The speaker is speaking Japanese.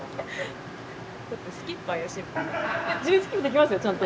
自分スキップできますよちゃんと。